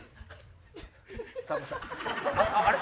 あれ？